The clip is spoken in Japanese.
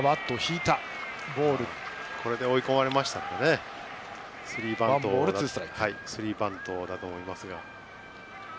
追い込まれましたのでスリーバントだと思いますけどね。